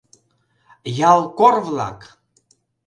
Ялкор-влак!